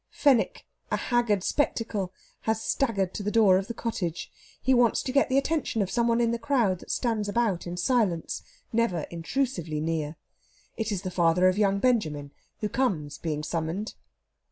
Fenwick, a haggard spectacle, has staggered to the door of the cottage. He wants to get the attention of some one in the crowd that stands about in silence, never intrusively near. It is the father of young Benjamin, who comes being summoned.